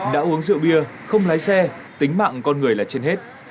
đã uống rượu bia không lái xe tính mạng con người là trên hết